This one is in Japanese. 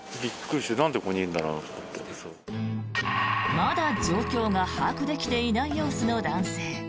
まだ状況が把握できていない様子の男性。